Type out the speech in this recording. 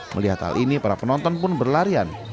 melihat hal ini para penonton pun berlarian